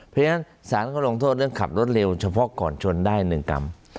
เพราะฉะนั้นสาธารณ์ก็ลองโทษเรื่องขับรถเร็วเฉพาะก่อนชนได้หนึ่งกรรมอืม